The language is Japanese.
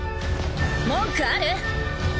文句ある？